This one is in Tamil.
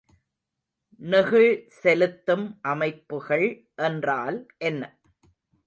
நெகிழ்செலுத்தும் அமைப்புகள் என்றால் என்ன?